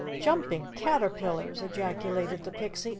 "Jumping caterpillars!" ejaculated the Pixie.